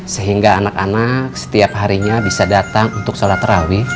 sehingga anak anak setiap harinya bisa datang untuk sholat terawih